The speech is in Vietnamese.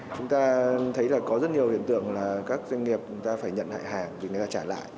chúng ta thấy là có rất nhiều hiện tượng là các doanh nghiệp chúng ta phải nhận hại hàng để trả lại